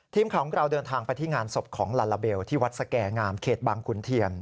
ทีมข่าวของเราเดินทางไปที่งานศพของลาลาเบลที่วัดสแก่งามเขตบางขุนเทียน